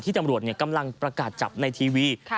ตำรวจกำลังประกาศจับในทีวี